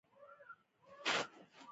فزیکي، کیمیاوي او بیولوژیکي خطرونه دي.